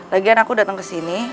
lagian aku dateng kesini